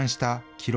記録